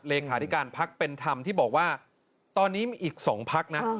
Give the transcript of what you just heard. เลขาธิการพักเป็นธรรมที่บอกว่าตอนนี้มีอีก๒พักนะ